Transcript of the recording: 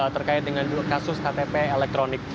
terkait dengan kasus ktp elektronik